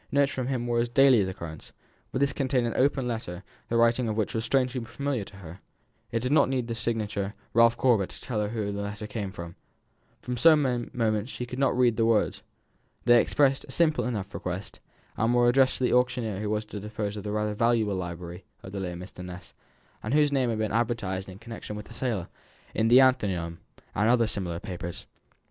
Notes from him were of daily occurrence, but this contained an open letter the writing of which was strangely familiar to her it did not need the signature "Ralph Corbet," to tell her whom the letter came from. For some moments she could not read the words. They expressed a simple enough request, and were addressed to the auctioneer who was to dispose of the rather valuable library of the late Mr. Ness, and whose name had been advertised in connection with the sale, in the Athenaeum, and other similar papers.